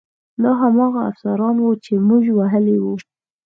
دا هماغه افسران وو چې موږ وهلي وو